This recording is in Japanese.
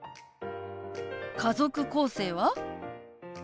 家族構成は？